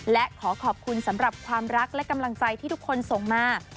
และขอขอบคุณสำหรับความรักและกำลังใจที่ทุกคนส่งมา